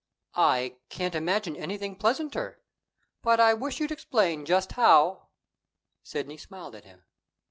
"I can't imagine anything pleasanter; but I wish you'd explain just how " Sidney smiled at him.